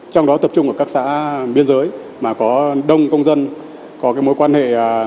trong đó tập trung ở các xã biên giới mà có đông công dân có mối quan hệ